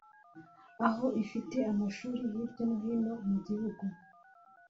aho ifite amashuri hirya no hino mu gihugu